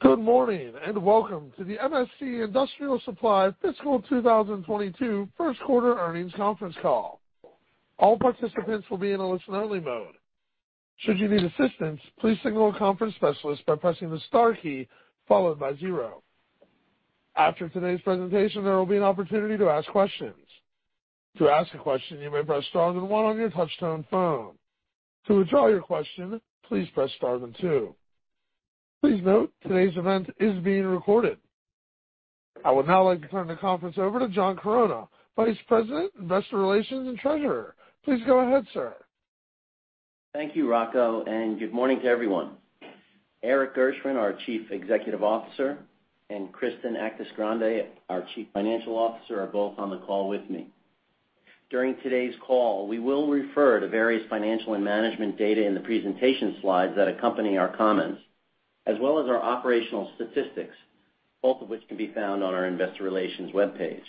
Good morning, and welcome to the MSC Industrial Supply Fiscal 2022 first quarter earnings conference call. All participants will be in a listen-only mode. Should you need assistance, please signal a conference specialist by pressing the Star key followed by zero. After today's presentation, there will be an opportunity to ask questions. To ask a question, you may press Star then one on your touch-tone phone. To withdraw your question, please press Star then two. Please note today's event is being recorded. I would now like to turn the conference over to John Chironna, Vice President, Investor Relations and Treasurer. Please go ahead, sir. Thank you, Rocco, and good morning to everyone. Erik Gershwind, our Chief Executive Officer, and Kristen Actis-Grande, our Chief Financial Officer, are both on the call with me. During today's call, we will refer to various financial and management data in the presentation slides that accompany our comments, as well as our operational statistics, both of which can be found on our investor relations webpage.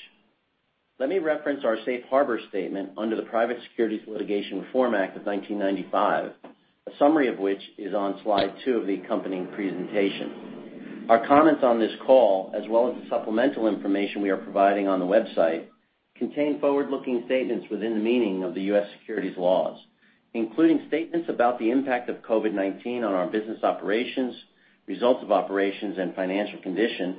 Let me reference our safe harbor statement under the Private Securities Litigation Reform Act of 1995, a summary of which is on slide two of the accompanying presentation. Our comments on this call, as well as the supplemental information we are providing on the website, contain forward-looking statements within the meaning of the U.S. securities laws, including statements about the impact of COVID-19 on our business operations, results of operations, and financial condition,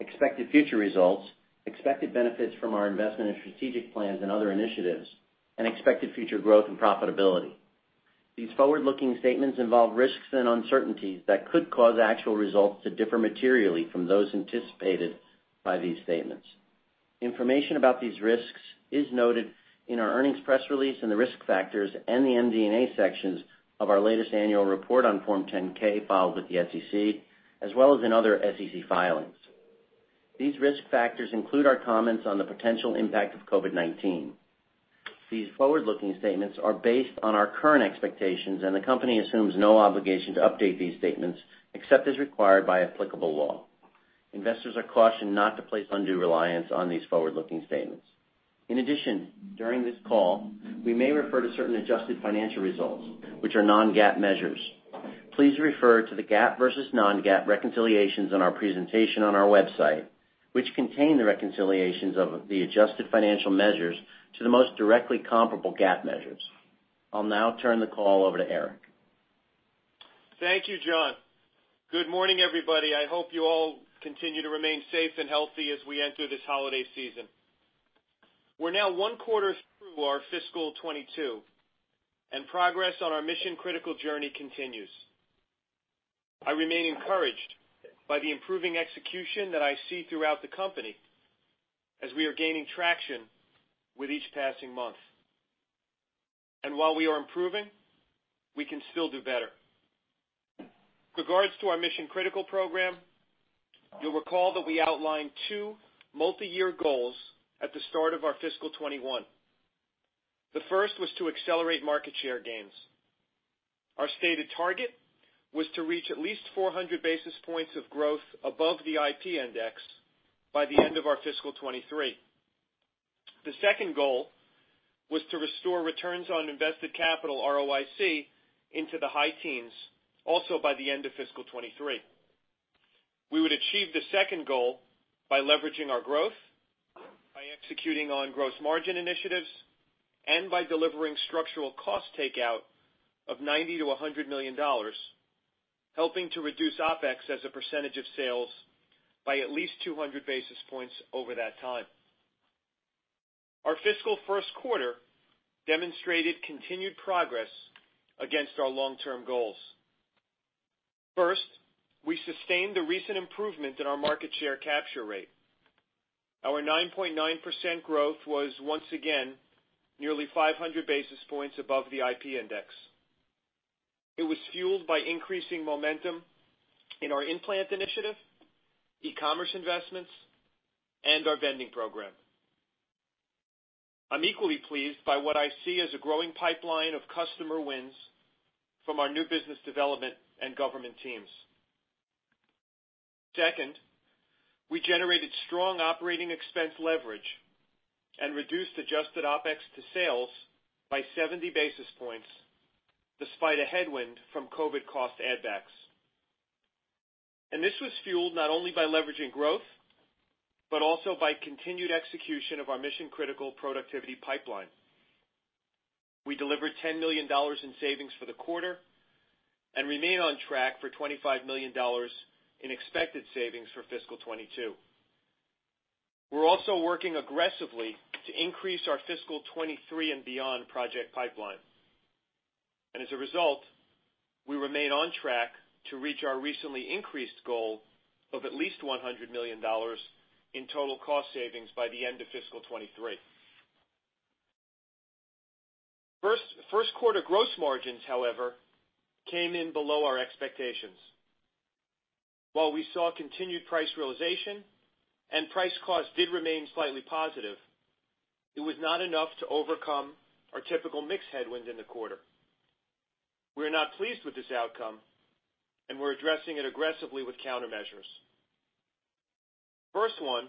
expected future results, expected benefits from our investment and strategic plans and other initiatives, and expected future growth and profitability. These forward-looking statements involve risks and uncertainties that could cause actual results to differ materially from those anticipated by these statements. Information about these risks is noted in our earnings press release and the risk factors and the MD&A sections of our latest annual report on Form 10-K filed with the SEC, as well as in other SEC filings. These risk factors include our comments on the potential impact of COVID-19. These forward-looking statements are based on our current expectations, and the company assumes no obligation to update these statements except as required by applicable law. Investors are cautioned not to place undue reliance on these forward-looking statements. In addition, during this call, we may refer to certain adjusted financial results, which are non-GAAP measures. Please refer to the GAAP versus non-GAAP reconciliations on our presentation on our website, which contain the reconciliations of the adjusted financial measures to the most directly comparable GAAP measures. I'll now turn the call over to Erik. Thank you, John. Good morning, everybody. I hope you all continue to remain safe and healthy as we enter this holiday season. We're now one quarter through our fiscal 2022, and progress on our mission-critical journey continues. I remain encouraged by the improving execution that I see throughout the company as we are gaining traction with each passing month. While we are improving, we can still do better. Regarding our mission-critical program, you'll recall that we outlined two multi-year goals at the start of our fiscal 2021. The first was to accelerate market share gains. Our stated target was to reach at least 400 basis points of growth above the IP index by the end of our fiscal 2023. The second goal was to restore returns on invested capital, ROIC, into the high teens also by the end of fiscal 2023. We would achieve the second goal by leveraging our growth, by executing on gross margin initiatives, and by delivering structural cost takeout of $90 million-$100 million, helping to reduce OpEx as a percentage of sales by at least 200 basis points over that time. Our fiscal first quarter demonstrated continued progress against our long-term goals. First, we sustained the recent improvement in our market share capture rate. Our 9.9% growth was once again nearly 500 basis points above the IP index. It was fueled by increasing momentum in our in-plant initiative, e-commerce investments, and our vending program. I'm equally pleased by what I see as a growing pipeline of customer wins from our new business development and government teams. Second, we generated strong operating expense leverage and reduced adjusted OpEx to sales by 70 basis points despite a headwind from COVID cost add backs. This was fueled not only by leveraging growth, but also by continued execution of our mission-critical productivity pipeline. We delivered $10 million in savings for the quarter and remain on track for $25 million in expected savings for fiscal 2022. We're also working aggressively to increase our fiscal 2023 and beyond project pipeline. As a result, we remain on track to reach our recently increased goal of at least $100 million in total cost savings by the end of fiscal 2023. First quarter gross margins, however, came in below our expectations. While we saw continued price realization and price cost did remain slightly positive, it was not enough to overcome our typical mix headwinds in the quarter. We're not pleased with this outcome, and we're addressing it aggressively with countermeasures. First one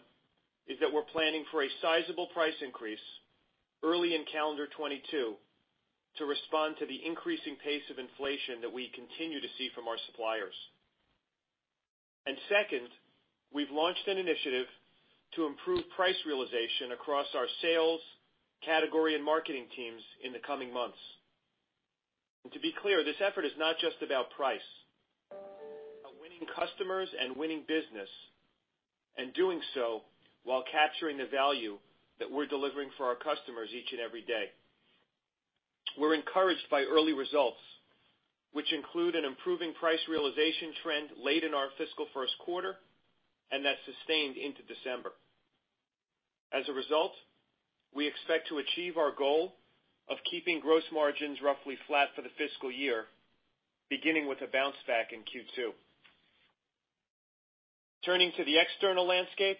is that we're planning for a sizable price increase early in calendar 2022 to respond to the increasing pace of inflation that we continue to see from our suppliers. Second, we've launched an initiative to improve price realization across our sales, category, and marketing teams in the coming months. To be clear, this effort is not just about price, about winning customers and winning business, and doing so while capturing the value that we're delivering for our customers each and every day. We're encouraged by early results, which include an improving price realization trend late in our fiscal first quarter, and that sustained into December. As a result, we expect to achieve our goal of keeping gross margins roughly flat for the fiscal year, beginning with a bounce back in Q2. Turning to the external landscape,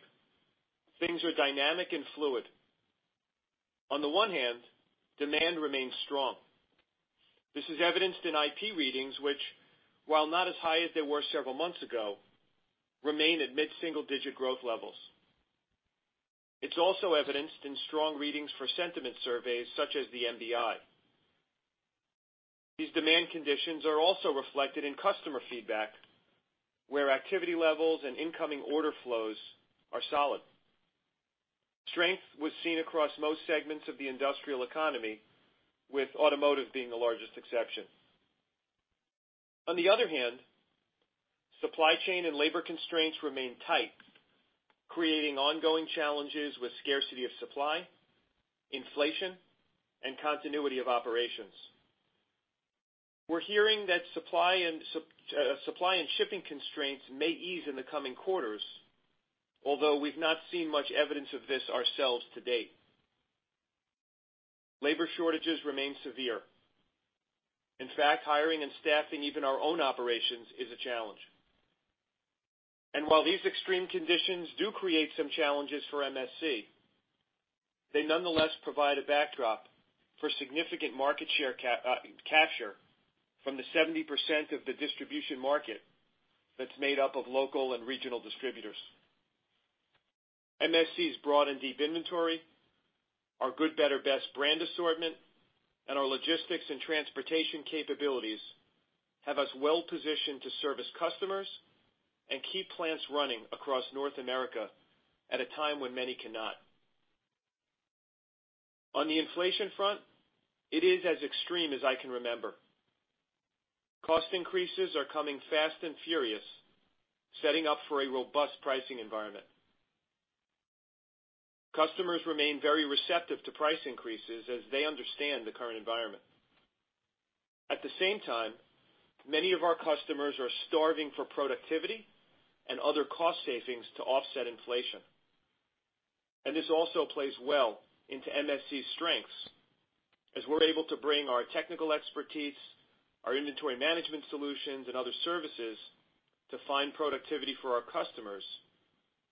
things are dynamic and fluid. On the one hand, demand remains strong. This is evidenced in IP readings, which while not as high as they were several months ago, remain at mid-single-digit growth levels. It's also evidenced in strong readings for sentiment surveys such as the MBI. These demand conditions are also reflected in customer feedback, where activity levels and incoming order flows are solid. Strength was seen across most segments of the industrial economy, with automotive being the largest exception. On the other hand, supply chain and labor constraints remain tight, creating ongoing challenges with scarcity of supply, inflation, and continuity of operations. We're hearing that supply and shipping constraints may ease in the coming quarters, although we've not seen much evidence of this ourselves to date. Labor shortages remain severe. In fact, hiring and staffing even our own operations is a challenge. While these extreme conditions do create some challenges for MSC, they nonetheless provide a backdrop for significant market share capture from the 70% of the distribution market that's made up of local and regional distributors. MSC's broad and deep inventory, our good, better, best brand assortment, and our logistics and transportation capabilities have us well positioned to service customers and keep plants running across North America at a time when many cannot. On the inflation front, it is as extreme as I can remember. Cost increases are coming fast and furious, setting up for a robust pricing environment. Customers remain very receptive to price increases as they understand the current environment. At the same time, many of our customers are starving for productivity and other cost savings to offset inflation. This also plays well into MSC's strengths, as we're able to bring our technical expertise, our inventory management solutions, and other services to find productivity for our customers,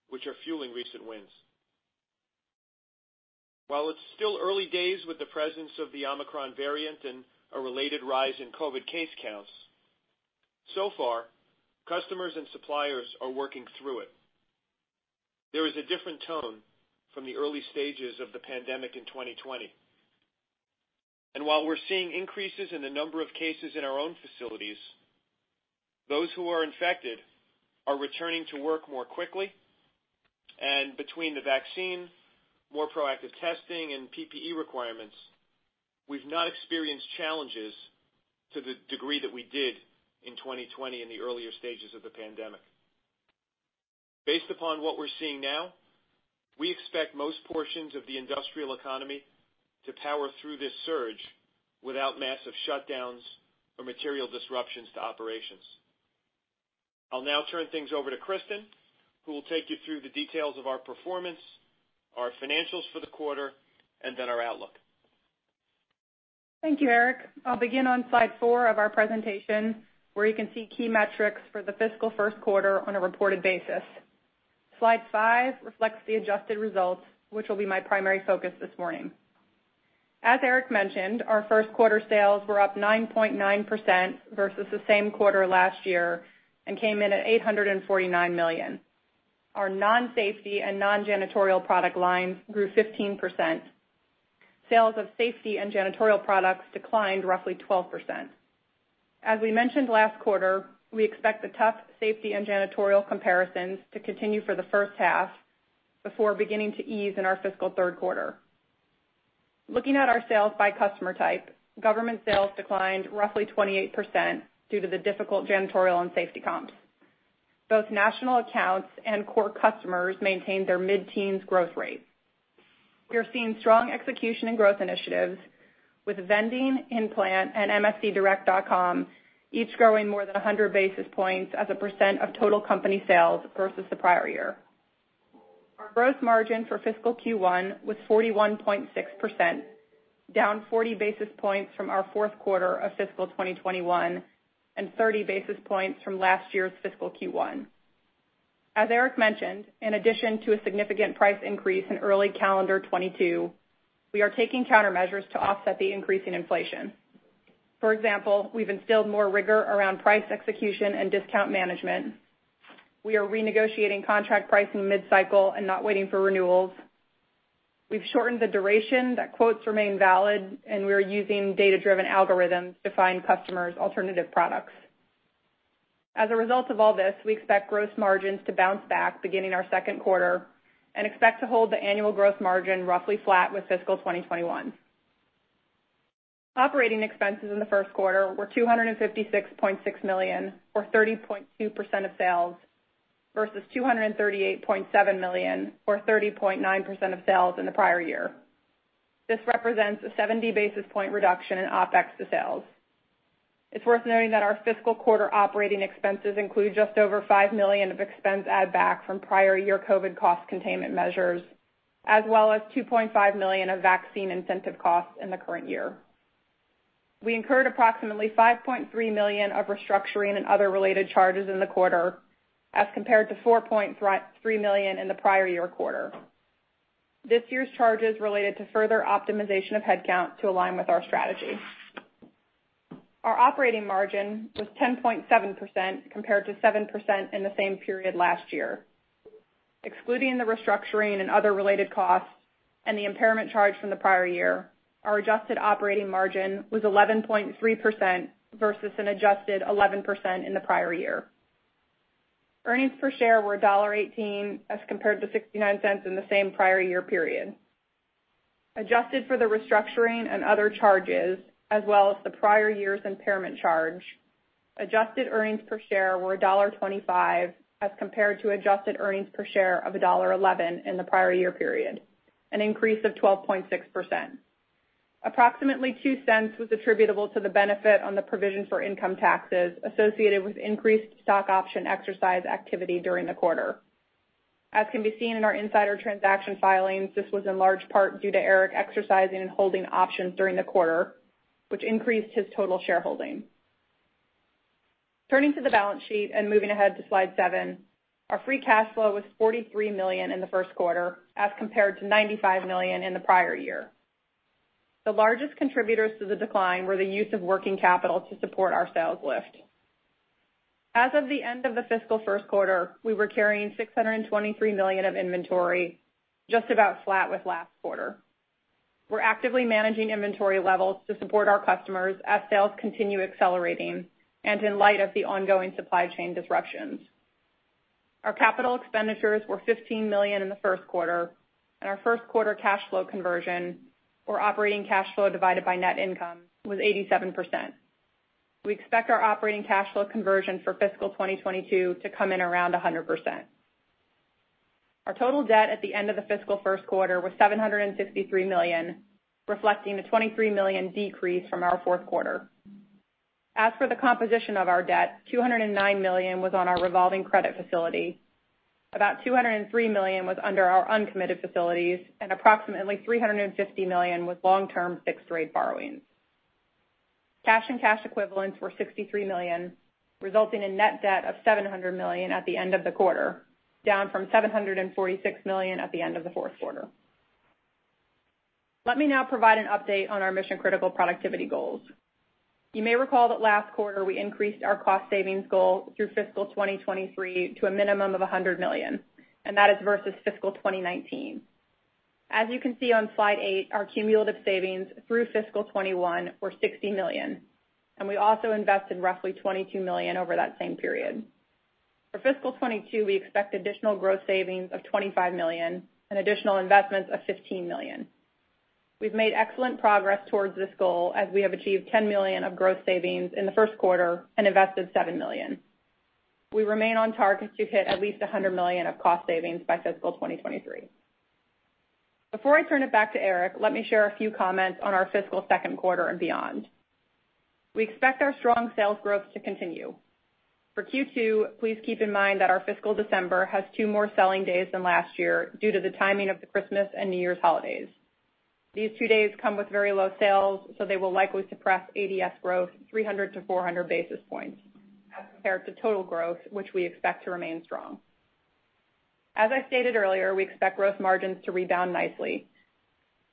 which are fueling recent wins. While it's still early days with the presence of the Omicron variant and a related rise in COVID case counts, so far customers and suppliers are working through it. There is a different tone from the early stages of the pandemic in 2020. While we're seeing increases in the number of cases in our own facilities, those who are infected are returning to work more quickly, and between the vaccine, more proactive testing, and PPE requirements, we've not experienced challenges to the degree that we did in 2020 in the earlier stages of the pandemic. Based upon what we're seeing now, we expect most portions of the industrial economy to power through this surge without massive shutdowns or material disruptions to operations. I'll now turn things over to Kristen, who will take you through the details of our performance, our financials for the quarter, and then our outlook. Thank you, Erik. I'll begin on slide four of our presentation, where you can see key metrics for the fiscal first quarter on a reported basis. Slide five reflects the adjusted results, which will be my primary focus this morning. As Erik mentioned, our first quarter sales were up 9.9% versus the same quarter last year and came in at $849 million. Our non-safety and non-janitorial product lines grew 15%. Sales of safety and janitorial products declined roughly 12%. We mentioned last quarter, we expect the tough safety and janitorial comparisons to continue for the first half before beginning to ease in our fiscal third quarter. Looking at our sales by customer type, government sales declined roughly 28% due to the difficult janitorial and safety comps. Both national accounts and core customers maintained their mid-teens growth rates. We are seeing strong execution and growth initiatives with vending, in-plant, and mscdirect.com each growing more than 100 basis points as a percent of total company sales versus the prior year. Our gross margin for fiscal Q1 was 41.6%, down 40 basis points from our fourth quarter of fiscal 2021, and 30 basis points from last year's fiscal Q1. As Erik mentioned, in addition to a significant price increase in early calendar 2022, we are taking countermeasures to offset the increasing inflation. For example, we've instilled more rigor around price execution and discount management. We are renegotiating contract pricing mid-cycle and not waiting for renewals. We've shortened the duration that quotes remain valid, and we are using data-driven algorithms to find customers alternative products. As a result of all this, we expect gross margins to bounce back beginning our second quarter and expect to hold the annual growth margin roughly flat with fiscal 2021. Operating expenses in the first quarter were $256.6 million, or 30.2% of sales, versus $238.7 million, or 30.9% of sales in the prior year. This represents a 70 basis point reduction in OpEx to sales. It's worth noting that our fiscal quarter operating expenses include just over $5 million of expense add back from prior year COVID cost containment measures, as well as $2.5 million of vaccine incentive costs in the current year. We incurred approximately $5.3 million of restructuring and other related charges in the quarter as compared to $4.3 million in the prior year quarter. This year's charge is related to further optimization of headcount to align with our strategy. Our operating margin was 10.7% compared to 7% in the same period last year. Excluding the restructuring and other related costs and the impairment charge from the prior year, our adjusted operating margin was 11.3% versus an adjusted 11% in the prior year. Earnings per share were $0.18 as compared to $0.69 in the same prior year period. Adjusted for the restructuring and other charges as well as the prior year's impairment charge, adjusted earnings per share were $0.25 as compared to adjusted earnings per share of $0.11 in the prior year period, an increase of 12.6%. Approximately $0.02 was attributable to the benefit on the provision for income taxes associated with increased stock option exercise activity during the quarter. As can be seen in our insider transaction filings, this was in large part due to Erik exercising and holding options during the quarter, which increased his total shareholding. Turning to the balance sheet and moving ahead to slide seven. Our free cash flow was $43 million in the first quarter as compared to $95 million in the prior year. The largest contributors to the decline were the use of working capital to support our sales lift. As of the end of the fiscal first quarter, we were carrying $623 million of inventory, just about flat with last quarter. We're actively managing inventory levels to support our customers as sales continue accelerating and in light of the ongoing supply chain disruptions. Our capital expenditures were $15 million in the first quarter, and our first quarter cash flow conversion or operating cash flow divided by net income was 87%. We expect our operating cash flow conversion for fiscal 2022 to come in around 100%. Our total debt at the end of the fiscal first quarter was $753 million, reflecting the $23 million decrease from our fourth quarter. As for the composition of our debt, $209 million was on our revolving credit facility. About $203 million was under our uncommitted facilities, and approximately $350 million was long-term fixed rate borrowings. Cash and cash equivalents were $63 million, resulting in net debt of $700 million at the end of the quarter, down from $746 million at the end of the fourth quarter. Let me now provide an update on our mission-critical productivity goals. You may recall that last quarter we increased our cost savings goal through fiscal 2023 to a minimum of $100 million, and that is versus fiscal 2019. As you can see on slide eight, our cumulative savings through fiscal 2021 were $60 million, and we also invested roughly $22 million over that same period. For fiscal 2022, we expect additional gross savings of $25 million and additional investments of $15 million. We've made excellent progress towards this goal as we have achieved $10 million of gross savings in the first quarter and invested $7 million. We remain on target to hit at least $100 million of cost savings by fiscal 2023. Before I turn it back to Erik, let me share a few comments on our fiscal second quarter and beyond. We expect our strong sales growth to continue. For Q2, please keep in mind that our fiscal December has two more selling days than last year due to the timing of the Christmas and New Year's holidays. These two days come with very low sales, so they will likely suppress ADS growth 300-400 basis points as compared to total growth, which we expect to remain strong. As I stated earlier, we expect gross margins to rebound nicely.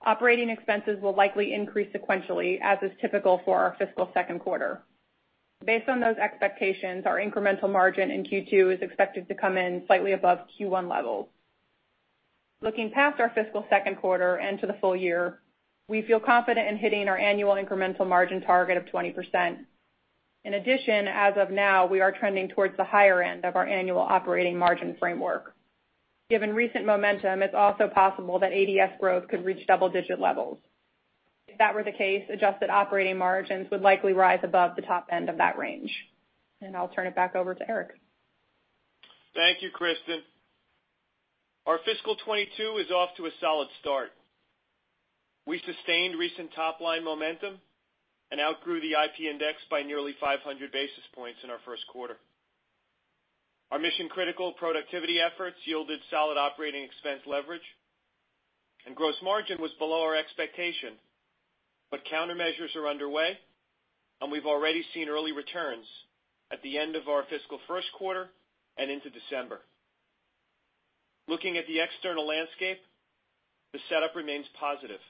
Operating expenses will likely increase sequentially as is typical for our fiscal second quarter. Based on those expectations, our incremental margin in Q2 is expected to come in slightly above Q1 levels. Looking past our fiscal second quarter and to the full year, we feel confident in hitting our annual incremental margin target of 20%. In addition, as of now, we are trending towards the higher end of our annual operating margin framework. Given recent momentum, it's also possible that ADS growth could reach double-digit levels. If that were the case, adjusted operating margins would likely rise above the top end of that range. I'll turn it back over to Erik. Thank you, Kristen. Our fiscal 2022 is off to a solid start. We sustained recent top-line momentum and outgrew the IP index by nearly 500 basis points in our first quarter. Our mission-critical productivity efforts yielded solid operating expense leverage, and gross margin was below our expectation, but countermeasures are underway, and we've already seen early returns at the end of our fiscal first quarter and into December. Looking at the external landscape, the setup remains positive.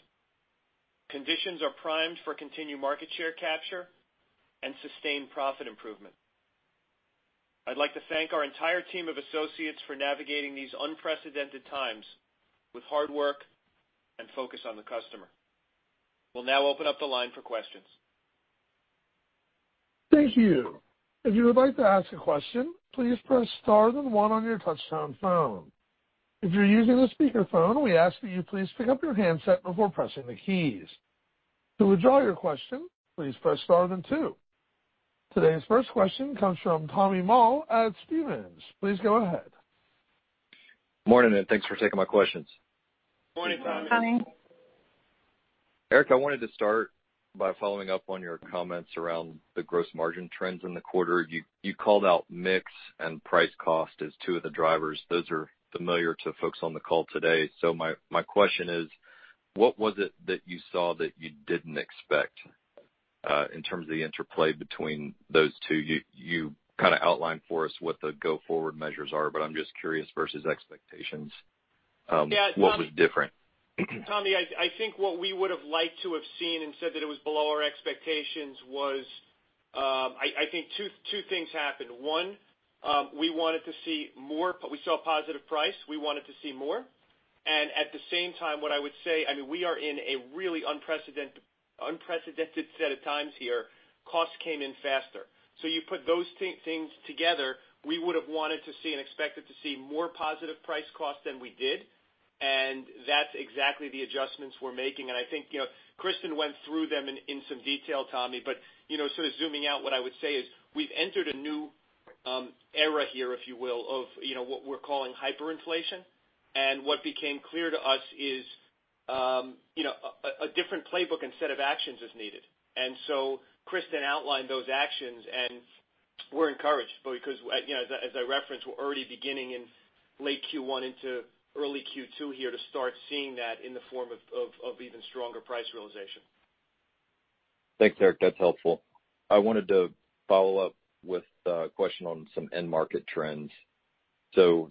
Conditions are primed for continued market share capture and sustained profit improvement. I'd like to thank our entire team of associates for navigating these unprecedented times with hard work and focus on the customer. We'll now open up the line for questions. Thank you. If you would like to ask a question, please press Star then one on your touch-tone phone. If you're using a speakerphone, we ask that you please pick up your handset before pressing the keys. To withdraw your question, please press Star then two. Today's first question comes from Tommy Moll at Stephens. Please go ahead. Morning, and thanks for taking my questions. Morning, Tommy. Morning, Tommy. Erik, I wanted to start by following up on your comments around the gross margin trends in the quarter. You called out mix and price cost as two of the drivers. Those are familiar to folks on the call today. My question is, what was it that you saw that you didn't expect in terms of the interplay between those two? You kinda outlined for us what the go-forward measures are, but I'm just curious versus expectations, what was different? Yeah, Tommy, I think what we would have liked to have seen and said that it was below our expectations was, I think, two things happened. One, we saw positive price. We wanted to see more, and at the same time, what I would say, I mean, we are in a really unprecedented set of times here. Costs came in faster. So you put those things together, we would have wanted to see and expected to see more positive price cost than we did, and that's exactly the adjustments we're making. I think, you know, Kristen went through them in some detail, Tommy. Sort of zooming out, what I would say is we've entered a new era here, if you will, of, you know, what we're calling hyperinflation. What became clear to us is, you know, a different playbook and set of actions is needed. Kristen outlined those actions, and we're encouraged because, you know, as I referenced, we're already beginning in late Q1 into early Q2 here to start seeing that in the form of even stronger price realization. Thanks, Erik. That's helpful. I wanted to follow up with a question on some end market trends.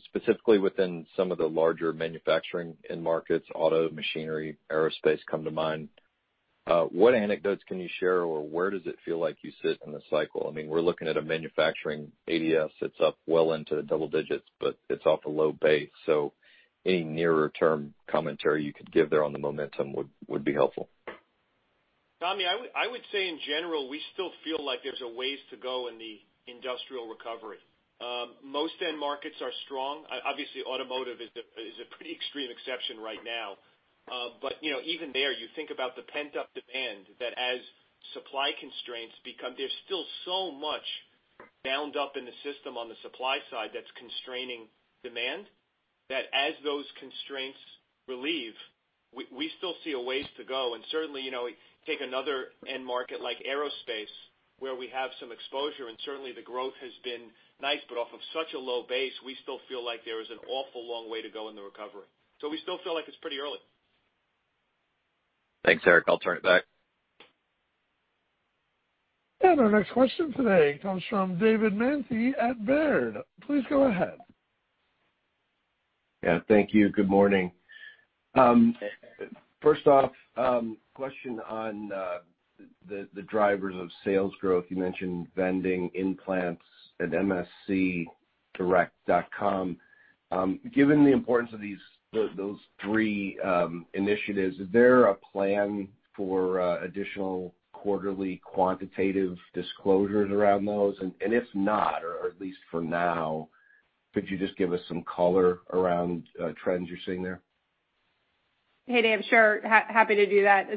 Specifically within some of the larger manufacturing end markets, auto, machinery, aerospace come to mind, what anecdotes can you share, or where does it feel like you sit in the cycle? I mean, we're looking at a manufacturing ADS that's up well into the double digits, but it's off a low base. Any nearer term commentary you could give there on the momentum would be helpful. Tommy, I would say in general, we still feel like there's a ways to go in the industrial recovery. Most end markets are strong. Obviously, automotive is a pretty extreme exception right now. You know, even there, you think about the pent-up demand that as supply constraints become. There's still so much bound up in the system on the supply side that's constraining demand, that as those constraints relieve, we still see a ways to go. Certainly, you know, take another end market like aerospace, where we have some exposure, and certainly the growth has been nice, but off of such a low base, we still feel like there is an awful long way to go in the recovery. We still feel like it's pretty early. Thanks, Erik. I'll turn it back. Our next question today comes from David Manthey at Baird. Please go ahead. Yeah, thank you. Good morning. First off, question on the drivers of sales growth. You mentioned vending, in-plant at mscdirect.com. Given the importance of these three initiatives, is there a plan for additional quarterly quantitative disclosures around those? And if not, or at least for now, could you just give us some color around trends you're seeing there? Hey, Dave. Sure. Happy to do that.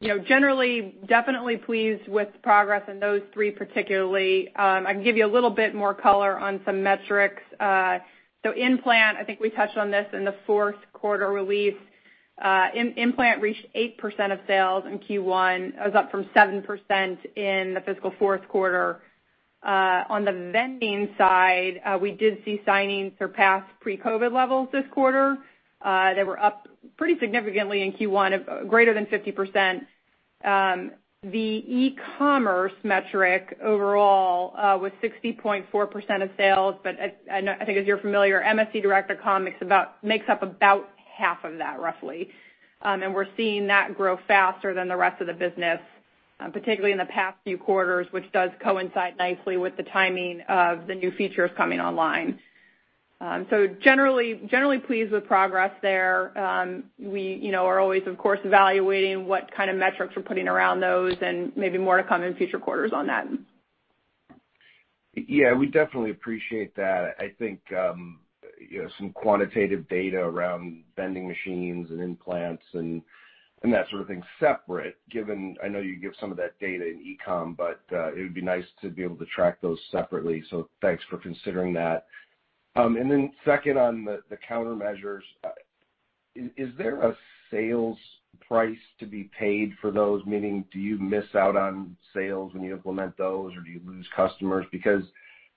You know, generally definitely pleased with progress in those three particularly. I can give you a little bit more color on some metrics. In-plant, I think we touched on this in the fourth quarter release. In-plant reached 8% of sales in Q1. It was up from 7% in the fiscal fourth quarter. On the vending side, we did see signings surpass pre-COVID levels this quarter. They were up pretty significantly in Q1, greater than 50%. The e-commerce metric overall was 60.4% of sales, but I know, I think as you're familiar, mscdirect.com makes up about half of that roughly. We're seeing that grow faster than the rest of the business, particularly in the past few quarters, which does coincide nicely with the timing of the new features coming online. Generally pleased with progress there. We, you know, are always, of course, evaluating what kind of metrics we're putting around those and maybe more to come in future quarters on that. Yeah, we definitely appreciate that. I think, you know, some quantitative data around vending machines and in-plant and that sort of thing separate, given I know you give some of that data in e-com, but it would be nice to be able to track those separately. Thanks for considering that. Second on the countermeasures, is there a sales price to be paid for those? Meaning, do you miss out on sales when you implement those, or do you lose customers? Because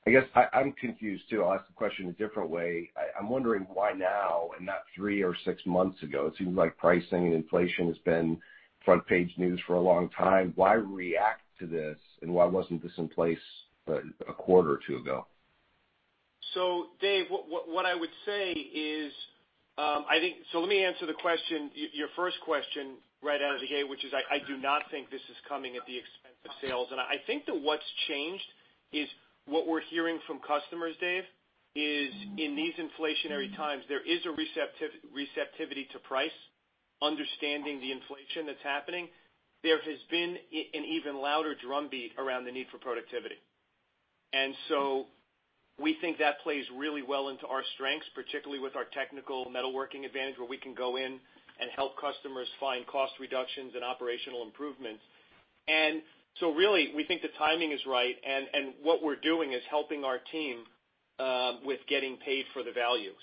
I guess I'm confused too. I'll ask the question a different way. I'm wondering why now and not three or six months ago? It seems like pricing and inflation has been front page news for a long time. Why react to this, and why wasn't this in place a quarter or two ago? Dave, what I would say is let me answer your first question right out of the gate, which is I do not think this is coming at the expense of sales. I think that what's changed is what we're hearing from customers, Dave, is in these inflationary times, there is a receptivity to price, understanding the inflation that's happening. There has been an even louder drumbeat around the need for productivity. We think that plays really well into our strengths, particularly with our technical metalworking advantage, where we can go in and help customers find cost reductions and operational improvements. Really, we think the timing is right, and what we're doing is helping our team with getting paid for the value.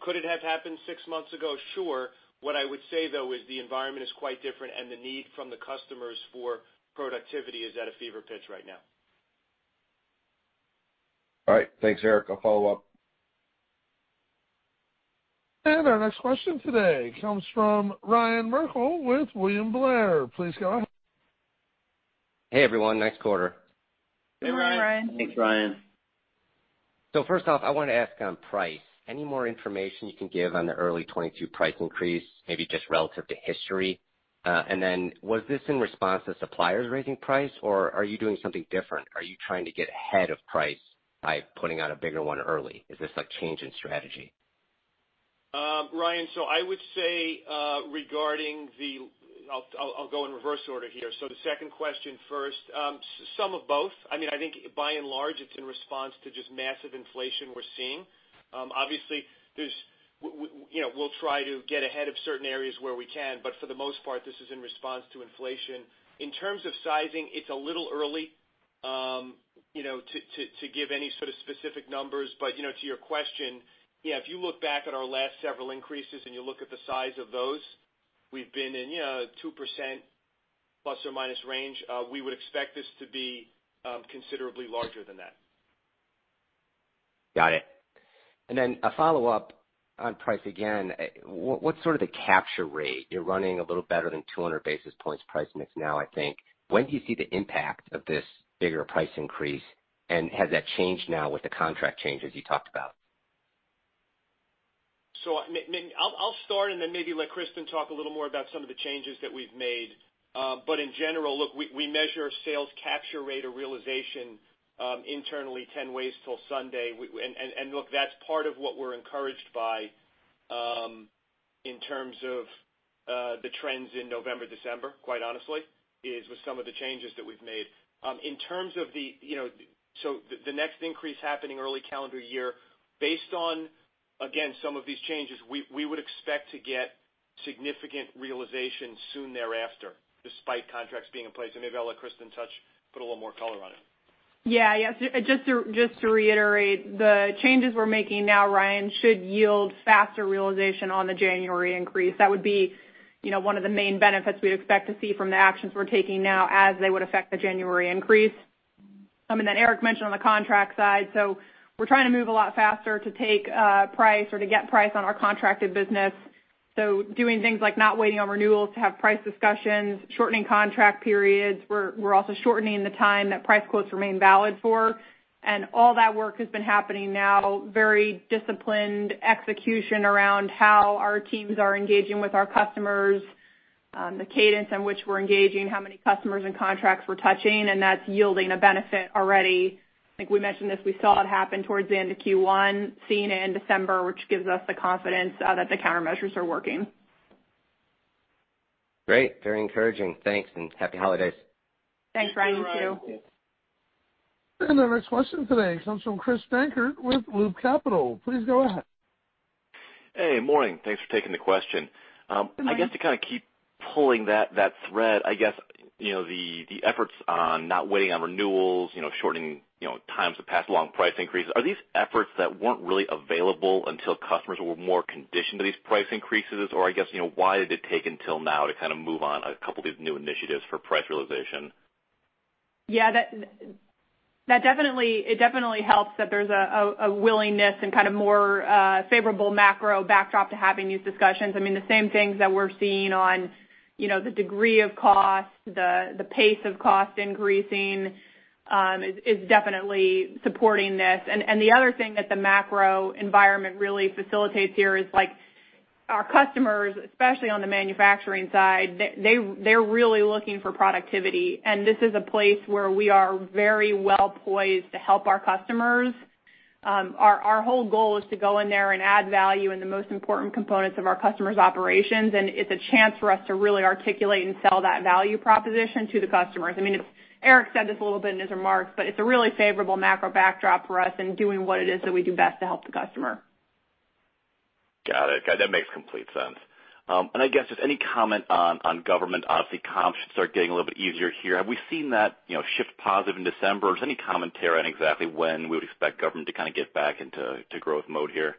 Could it have happened six months ago? Sure. What I would say, though, is the environment is quite different, and the need from the customers for productivity is at a fever pitch right now. All right. Thanks, Erik. I'll follow up. Our next question today comes from Ryan Merkel with William Blair. Please go ahead. Hey, everyone. Nice quarter. Hey, Ryan. Hey, Ryan. First off, I wanted to ask on price. Any more information you can give on the early 2022 price increase, maybe just relative to history? Was this in response to suppliers raising price, or are you doing something different? Are you trying to get ahead of price by putting out a bigger one early? Is this a change in strategy? Ryan, I would say, regarding the, I'll go in reverse order here. The second question first. Some of both. I mean, I think by and large, it's in response to just massive inflation we're seeing. Obviously, you know, we'll try to get ahead of certain areas where we can, but for the most part, this is in response to inflation. In terms of sizing, it's a little early, you know, to give any sort of specific numbers. To your question, yeah, if you look back at our last several increases and you look at the size of those, we've been in, you know, 2% plus or minus range. We would expect this to be considerably larger than that. Got it. A follow-up on price again. What's sort of the capture rate? You're running a little better than 200 basis points price mix now, I think. When do you see the impact of this bigger price increase, and has that changed now with the contract changes you talked about? I'll start and then maybe let Kristen talk a little more about some of the changes that we've made. In general, look, we measure sales capture rate or realization internally ten ways till Sunday. Look, that's part of what we're encouraged by in terms of the trends in November, December, quite honestly, is with some of the changes that we've made. In terms of the you know so the next increase happening early calendar year, based on again some of these changes, we would expect to get significant realization soon thereafter, despite contracts being in place. Maybe I'll let Kristen put a little more color on it. Yeah. Yes, just to reiterate, the changes we're making now, Ryan, should yield faster realization on the January increase. That would be, you know, one of the main benefits we'd expect to see from the actions we're taking now as they would affect the January increase. I mean, that Eric mentioned on the contract side, so we're trying to move a lot faster to take price or to get price on our contracted business. Doing things like not waiting on renewals to have price discussions, shortening contract periods. We're also shortening the time that price quotes remain valid for. All that work has been happening now, very disciplined execution around how our teams are engaging with our customers, the cadence in which we're engaging, how many customers and contracts we're touching, and that's yielding a benefit already. I think we mentioned this, we saw it happen towards the end of Q1, seeing it in December, which gives us the confidence that the countermeasures are working. Great. Very encouraging. Thanks, and happy holidays. Thanks, Ryan, too. You too, Ryan. Our next question today comes from Chris Dankert with Loop Capital. Please go ahead. Hey, morning. Thanks for taking the question. I guess to kind of keep pulling that thread, I guess, you know, the efforts on not waiting on renewals, you know, shortening, you know, times to pass along price increases, are these efforts that weren't really available until customers were more conditioned to these price increases? Or I guess, you know, why did it take until now to kind of move on a couple of these new initiatives for price realization? Yeah, that definitely helps that there's a willingness and kind of more favorable macro backdrop to having these discussions. I mean, the same things that we're seeing on, you know, the degree of cost, the pace of cost increasing is definitely supporting this. The other thing that the macro environment really facilitates here is like our customers, especially on the manufacturing side, they're really looking for productivity. This is a place where we are very well poised to help our customers. Our whole goal is to go in there and add value in the most important components of our customers' operations, and it's a chance for us to really articulate and sell that value proposition to the customers. I mean, it's Erik said this a little bit in his remarks, but it's a really favorable macro backdrop for us in doing what it is that we do best to help the customer. Got it. That makes complete sense. I guess just any comment on government. Obviously, comps should start getting a little bit easier here. Have we seen that, you know, shift positive in December? Is there any commentary on exactly when we would expect government to kind of get back into growth mode here?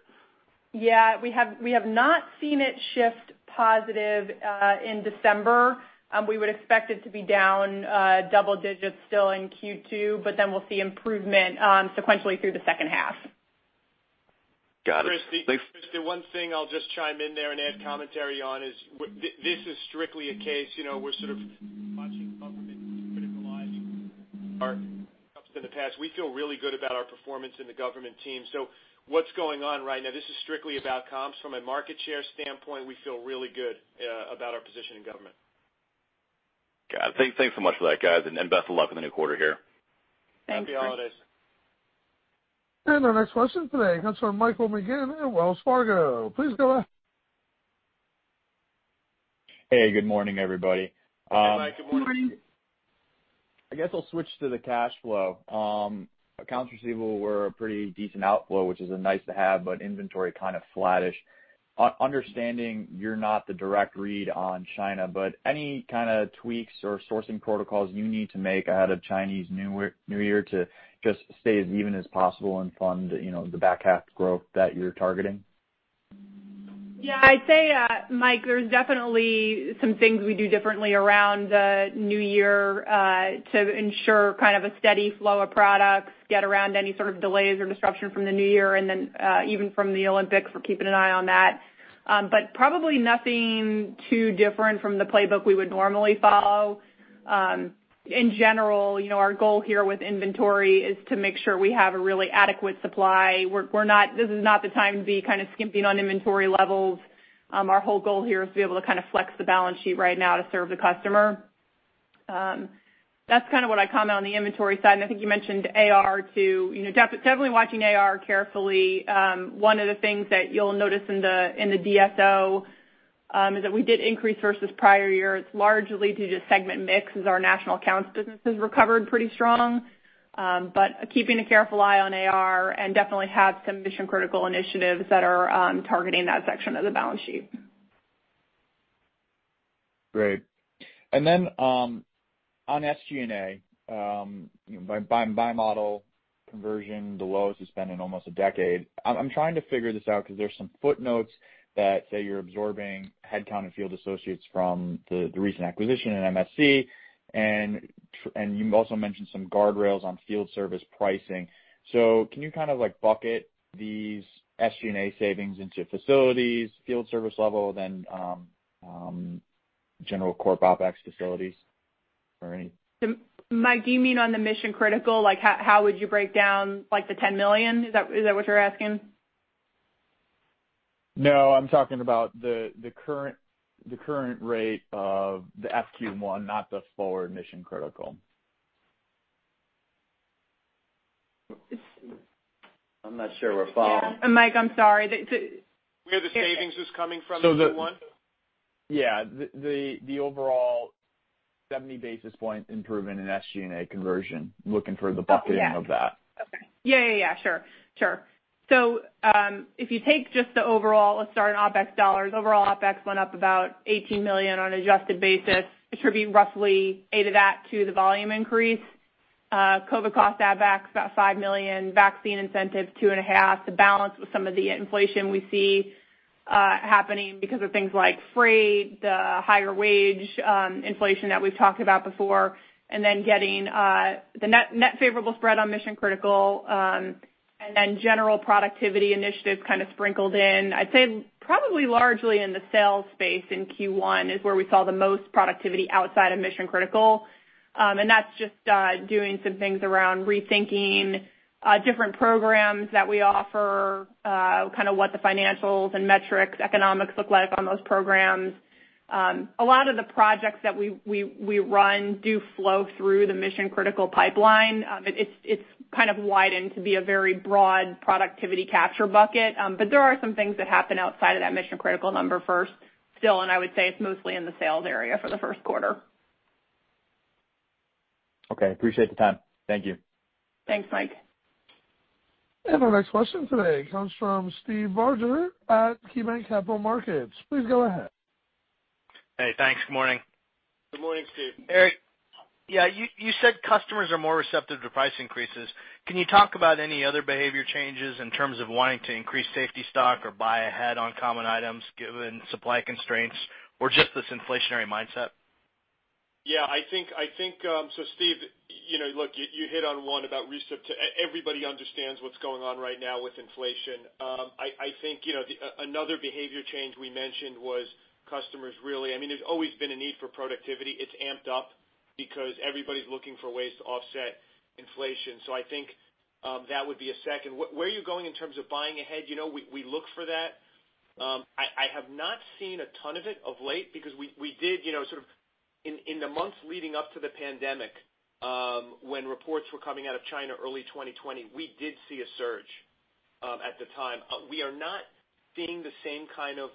Yeah. We have not seen it shift positive in December. We would expect it to be down double digits still in Q2, but then we'll see improvement sequentially through the second half. Got it. Thanks. Chris, the one thing I'll just chime in there and add commentary on is this is strictly a case, you know, we're sort of watching government criticizing our comps in the past. We feel really good about our performance in the government team. What's going on right now, this is strictly about comps. From a market share standpoint, we feel really good about our position in government. Got it. Thanks so much for that, guys, and best of luck in the new quarter here. Happy holidays. Our next question today comes from Michael McGinn at Wells Fargo. Please go ahead. Hey, good morning, everybody. Hey, Mike. Good morning. I guess I'll switch to the cash flow. Accounts receivable were a pretty decent outflow, which is a nice to have, but inventory kind of flattish. Understanding you're not the direct read on China, but any kind of tweaks or sourcing protocols you need to make ahead of Chinese New Year to just stay as even as possible and fund, you know, the back half growth that you're targeting? Yeah, I'd say, Mike, there's definitely some things we do differently around the New Year, to ensure kind of a steady flow of products, get around any sort of delays or disruption from the New Year and then, even from the Olympics. We're keeping an eye on that. Probably nothing too different from the playbook we would normally follow. In general, you know, our goal here with inventory is to make sure we have a really adequate supply. We're not. This is not the time to be kind of skimping on inventory levels. Our whole goal here is to be able to kind of flex the balance sheet right now to serve the customer. That's kind of what I comment on the inventory side, and I think you mentioned AR too. You know, definitely watching AR carefully. One of the things that you'll notice in the DSO is that we did increase versus prior years, largely due to segment mix as our national accounts business has recovered pretty strong. Keeping a careful eye on AR and we definitely have some mission-critical initiatives that are targeting that section of the balance sheet. Great. On SG&A, you know, by model conversion, the lowest it's been in almost a decade. I'm trying to figure this out because there's some footnotes that say you're absorbing headcount and field associates from the recent acquisition in MSC. You also mentioned some guardrails on field service pricing. Can you kind of, like, bucket these SG&A savings into facilities, field service level, then, general core OpEx facilities or any? Mike, do you mean on the mission-critical? Like, how would you break down, like, the $10 million? Is that what you're asking? No, I'm talking about the current rate of the SQ one, not the forward mission-critical. I'm not sure we're following. Mike, I'm sorry. Where the savings is coming from in Q1? Yeah. The overall 70 basis points improvement in SG&A conversion. Looking for the bucketing of that. Yeah. Okay. Yeah. Sure. If you take just the overall, let's start in OpEx dollars. Overall OpEx went up about $18 million on an adjusted basis. Attribute roughly $8 of that to the volume increase. COVID costs add back about $5 million, vaccine incentive $2.5 million, the balance with some of the inflation we see happening because of things like freight, the higher wage inflation that we've talked about before, and then getting the net favorable spread on mission-critical and then general productivity initiatives kind of sprinkled in. I'd say probably largely in the sales space in Q1 is where we saw the most productivity outside of mission-critical. That's just doing some things around rethinking different programs that we offer, kind of what the financials and metrics, economics look like on those programs. A lot of the projects that we run do flow through the mission-critical pipeline. It's kind of widened to be a very broad productivity capture bucket. There are some things that happen outside of that mission-critical number first still, and I would say it's mostly in the sales area for the first quarter. Okay. Appreciate the time. Thank you. Thanks, Mike. Our next question today comes from Steve Barger at KeyBanc Capital Markets. Please go ahead. Hey, thanks. Good morning. Good morning, Steve. Erik, yeah, you said customers are more receptive to price increases. Can you talk about any other behavior changes in terms of wanting to increase safety stock or buy ahead on common items given supply constraints or just this inflationary mindset? Yeah, I think. Steve, you know, look, you hit on one. Everybody understands what's going on right now with inflation. I think, you know, another behavior change we mentioned was customers really. I mean, there's always been a need for productivity. It's amped up because everybody's looking for ways to offset inflation. I think that would be a second. Where are you going in terms of buying ahead? You know, we look for that. I have not seen a ton of it of late because we did, you know, sort of in the months leading up to the pandemic, when reports were coming out of China early 2020, we did see a surge at the time. We are not seeing the same kind of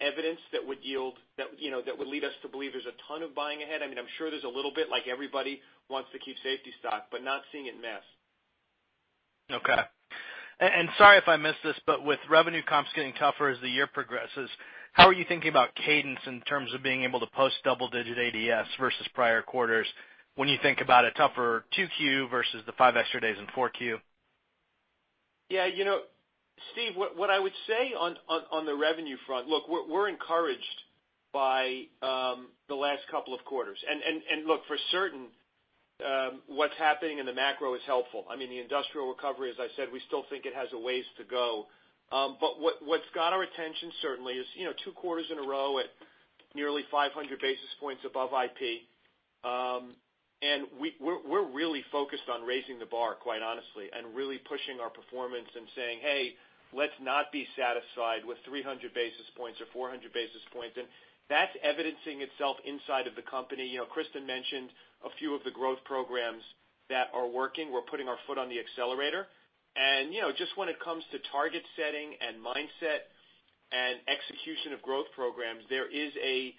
evidence that, you know, that would lead us to believe there's a ton of buying ahead. I mean, I'm sure there's a little bit like everybody wants to keep safety stock, but not seeing it en masse. Okay. Sorry if I missed this, but with revenue comps getting tougher as the year progresses, how are you thinking about cadence in terms of being able to post double-digit ADS versus prior quarters when you think about a tougher 2Q versus the 5 extra days in 4Q? Yeah. You know, Steve, what I would say on the revenue front, look, we're encouraged by the last couple of quarters. Look, for certain, what's happening in the macro is helpful. I mean, the industrial recovery, as I said, we still think it has a ways to go. But what's got our attention certainly is, you know, two quarters in a row at nearly 500 basis points above IP. We're really focused on raising the bar, quite honestly, and really pushing our performance and saying, "Hey, let's not be satisfied with 300 basis points or 400 basis points." That's evidencing itself inside of the company. You know, Kristen mentioned a few of the growth programs that are working. We're putting our foot on the accelerator. You know, just when it comes to target setting and mindset and execution of growth programs, there is a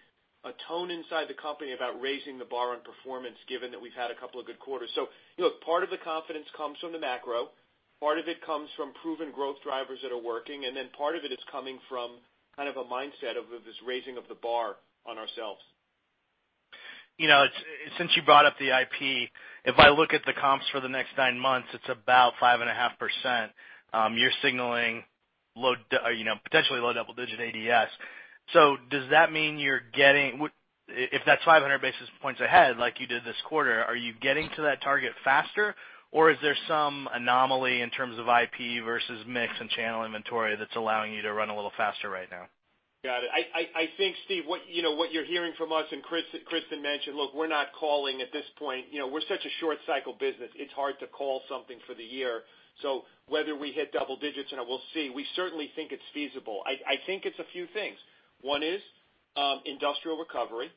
tone inside the company about raising the bar on performance, given that we've had a couple of good quarters. Look, part of the confidence comes from the macro, part of it comes from proven growth drivers that are working, and then part of it is coming from kind of a mindset of this raising of the bar on ourselves. You know, since you brought up the IP, if I look at the comps for the next nine months, it's about 5.5%. You're signaling, you know, potentially low double-digit ADS. Does that mean, if that's 500 basis points ahead like you did this quarter, are you getting to that target faster? Or is there some anomaly in terms of IP versus mix and channel inventory that's allowing you to run a little faster right now? Got it. I think, Steve, what you're hearing from us and Kristen mentioned, look, we're not calling at this point. You know, we're such a short cycle business, it's hard to call something for the year. Whether we hit double digits, you know, we'll see. We certainly think it's feasible. I think it's a few things. One is industrial recovery.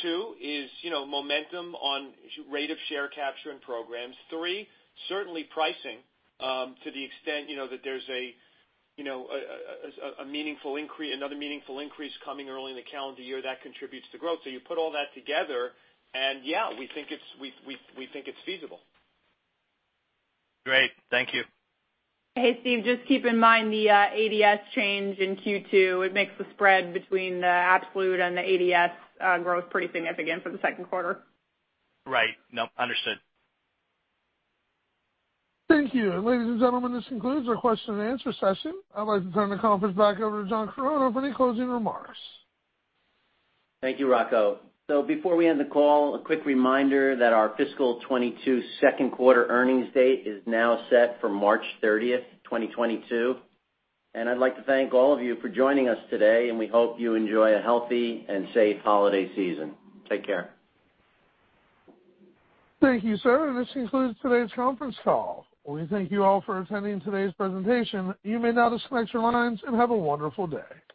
Two is, you know, momentum on rate of share capture and programs. Three, certainly pricing, to the extent, you know, that there's a meaningful increase, another meaningful increase coming early in the calendar year that contributes to growth. You put all that together and yeah, we think it's feasible. Great. Thank you. Hey, Steve, just keep in mind the ADS change in Q2, it makes the spread between the absolute and the ADS growth pretty significant for the second quarter. Right. No, understood. Thank you. Ladies and gentlemen, this concludes our question and answer session. I'd like to turn the conference back over to John Chironna for any closing remarks. Thank you, Rocco. Before we end the call, a quick reminder that our fiscal 2022 second quarter earnings date is now set for March 30, 2022. I'd like to thank all of you for joining us today, and we hope you enjoy a healthy and safe holiday season. Take care. Thank you, sir. This concludes today's conference call. We thank you all for attending today's presentation. You may now disconnect your lines and have a wonderful day.